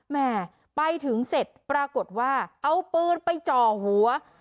แม่ไปถึงเสร็จปรากฏว่าเอาปืนไปจ่อหัว